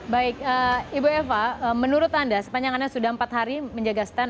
baik ibu eva menurut anda sepanjang anda sudah empat hari menjaga stand